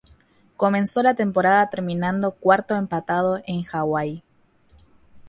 Comenzó la temporada terminando cuarto empatado en Hawai.